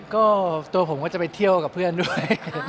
ก็ตัวผมก็จะไปเที่ยวกับเพื่อนด้วย